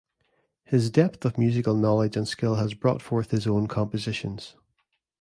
His depth of musical knowledge and skill has brought forth his own compositions.